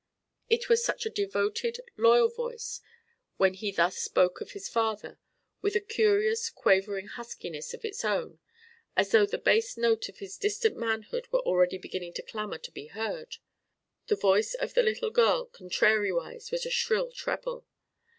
It was such a devoted, loyal voice when he thus spoke of his father, with a curious quavering huskiness of its own, as though the bass note of his distant manhood were already beginning to clamor to be heard. The voice of the little girl contrariwise was a shrill treble.